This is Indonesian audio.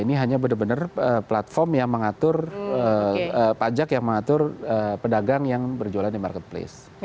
ini hanya benar benar platform yang mengatur pajak yang mengatur pedagang yang berjualan di marketplace